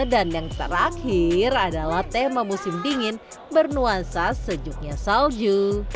dan yang terakhir adalah tema musim dingin bernuansa sejuknya salju